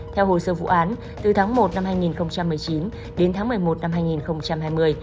theo hồ sơ vụ án từ tháng một năm hai nghìn một mươi chín đến tháng một mươi một năm hai nghìn hai mươi